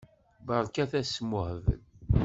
Berkat asmuhbel.